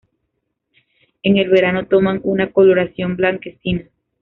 En el verano toman una coloración blanquecina.